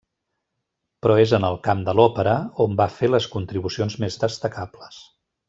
Però és en el camp de l'òpera on va fer les contribucions més destacables.